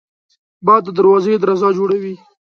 باد د دروازې درزا جوړوي